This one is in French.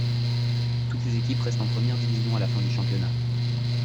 Toutes les équipes restent en première division à la fin du championnat.